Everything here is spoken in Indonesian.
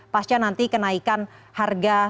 pasca nanti kenaikan harga